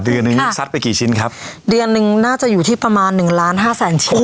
เดือนหนึ่งซัดไปกี่ชิ้นครับเดือนหนึ่งน่าจะอยู่ที่ประมาณหนึ่งล้านห้าแสนชิ้น